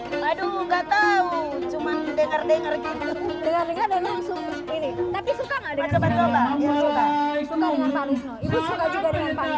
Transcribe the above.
ibu suka juga dengan pantun gorontalo